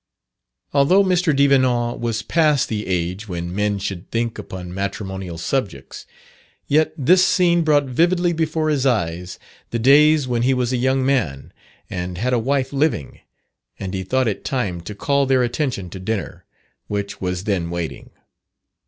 Although Mr. Devenant was past the age when men should think upon matrimonial subjects, yet this scene brought vividly before his eyes the days when he was a young man, and had a wife living, and he thought it time to call their attention to dinner, which was then waiting.